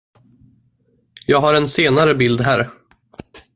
Jag har en senare bild här.